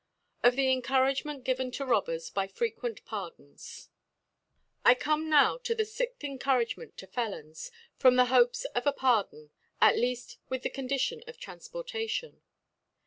Of the Bncouragemmt given ta Robbers by frequent Pardons^ I Come now to the fixth Encouragement to Febns, from the Hopes of a Par don, at lead with the Condition of Tranf* portation.